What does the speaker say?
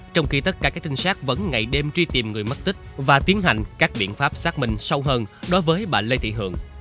trong khi tất cả các trinh sát vẫn ngày đêm truy tìm người mất tích và tiến hành các biện pháp xác minh sâu hơn đối với bà lê thị hường